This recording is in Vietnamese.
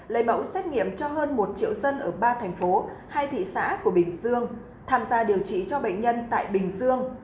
lấy mẫu xét nghiệm cho hơn một triệu dân ở ba thành phố hai thị xã của bình dương tham gia điều trị cho bệnh nhân tại bình dương